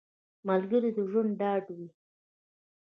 ملګری د ژوند ډاډ وي